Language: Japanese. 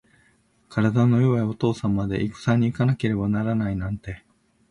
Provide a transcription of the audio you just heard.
体の弱いお父さんまで、いくさに行かなければならないなんて。